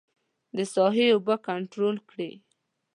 د ساحې اوبه کنترول کړي.